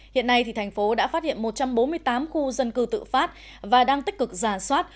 hiện nay thành phố đã phát hiện một trăm bốn mươi tám khu dân cư tự phát và đang tích cực giả soát